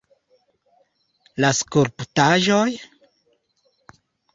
La skulptaĵoj!